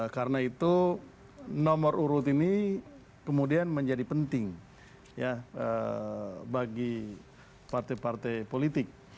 karena itu nomor urut ini kemudian menjadi penting bagi partai partai politik